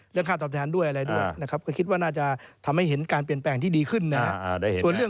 เพราะฉะนั้นตรงนี้ฉันน่าจะเห็นการเปลี่ยนแปลงที่ชัดเจน